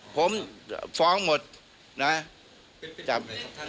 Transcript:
ผมฟ้องหมดนะจับ